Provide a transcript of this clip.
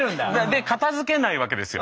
で片づけないわけですよ。